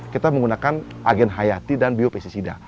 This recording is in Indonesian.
kita menggunakan agen hayati dan biopesticida